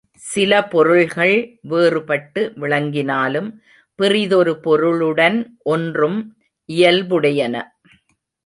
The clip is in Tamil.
சில பொருள்கள் வேறுபட்டு விளங்கினாலும் பிறிதொரு பொருளுடன் ஒன்றும் இயல்புடையன.